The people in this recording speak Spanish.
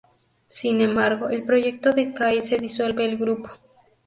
Sin embargo, el proyecto decae y se disuelve el grupo.